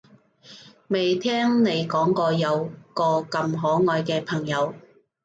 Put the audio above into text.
未聽你講過有個咁可愛嘅朋友